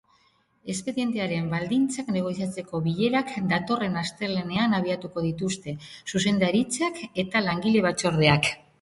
Espedientearen baldintzak negoziatzeko bilerak datorren astelehenean abiatuko dituzte zuzendaritzak eta langile batzordeak.